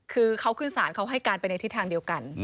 คือเขาขึ้นศาลเขาให้การไปในทิศทางเดียวกัน